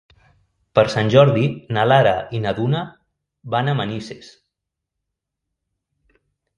Per Sant Jordi na Lara i na Duna van a Manises.